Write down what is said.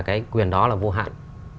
cái quyền đó là vô hạn